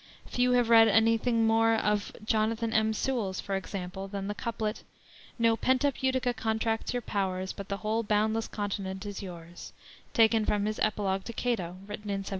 Few have read any thing more of Jonathan M. Sewall's, for example, than the couplet, "No pent up Utica contracts your powers, But the whole boundless continent is yours," taken from his Epilogue to Cato, written in 1778.